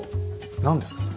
何ですか？